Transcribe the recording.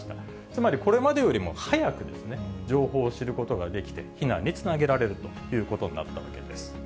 つまり、これまでよりも早く情報を知ることができて、避難につなげられるということになったわけです。